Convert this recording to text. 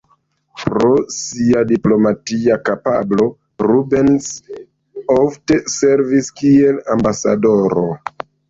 Pro sia diplomatia kapablo, Rubens ofte servis kiel ambasadoro.